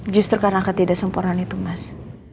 justru karena ketidaksempurnaan itu mas